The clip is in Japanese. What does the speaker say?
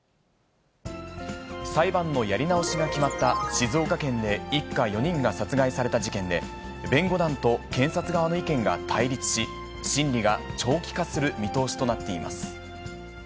裁判のやり直しが決まった静岡県で一家４人が殺害された事件で、弁護団と検察側の意見が対立し、審理が長期化する見通しとなっています。